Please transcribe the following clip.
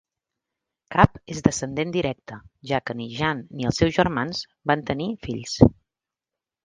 Cap és descendent directe, ja que ni Jean ni els seus germans van tenir fills.